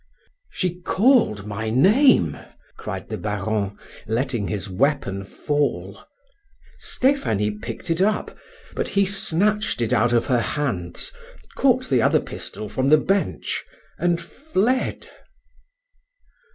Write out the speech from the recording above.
"She called my name?" cried the Baron, letting his weapon fall. Stephanie picked it up, but he snatched it out of her hands, caught the other pistol from the bench, and fled.